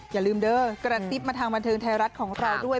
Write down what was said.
อย่าลืมเด้อกระซิบมาทางบันเทิงไทยรัฐของเราด้วย